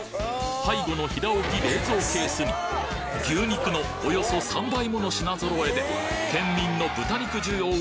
背後の平置き冷蔵ケースに牛肉のおよそ３倍もの品揃えで県民の豚肉需要をカバーしていた！